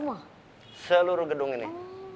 oh seluruh gedung ini